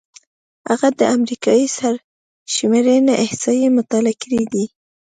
هغه د امریکايي سرشمېرنې احصایې مطالعه کړې دي.